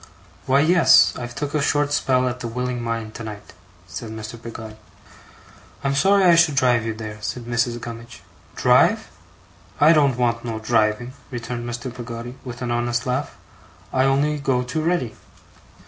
'Why yes, I've took a short spell at The Willing Mind tonight,' said Mr. Peggotty. 'I'm sorry I should drive you there,' said Mrs. Gummidge. 'Drive! I don't want no driving,' returned Mr. Peggotty with an honest laugh. 'I only go too ready.